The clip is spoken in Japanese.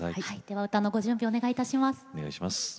では歌のご準備お願いいたします。